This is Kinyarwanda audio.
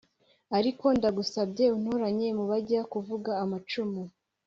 ariko ndagusabye untoranye mubajya kuvuga amacumu"